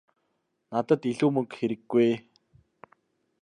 Надад илүү мөнгө хэрэггүй ээ.